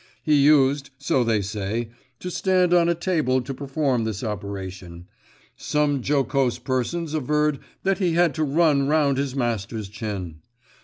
He used, so they said, to stand on a table to perform this operation. Some jocose persons averred that he had to run round his master's chin.